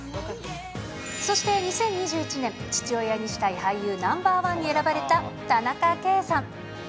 そして、２０２１年、父親にしたい俳優ナンバー１に選ばれた田中圭さん。